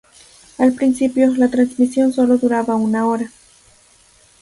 Al principio, la transmisión sólo duraba una hora.